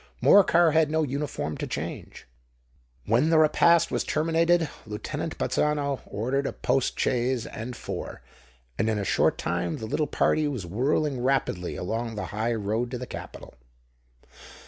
Morcar had no uniform to change. When the repast was terminated, Lieutenant Bazzano ordered a post chaise and four; and in a short time the little party was whirling rapidly along the high road to the capital.